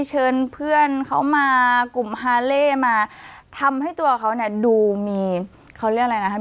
เชิญเพื่อนเขามากลุ่มฮาเล่มาทำให้ตัวเขาเนี่ยดูมีเขาเรียกอะไรนะครับ